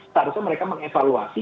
seharusnya mereka mengevaluasi